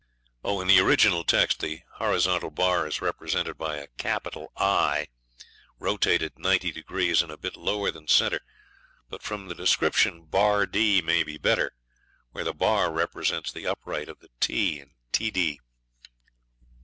* In the original text, the horizontal bar is represented by a capital "I" rotated 90 degrees, and a bit lower than centre but from the description, ' D' may be better, where the '' represents the upright of the T in TD. A. L.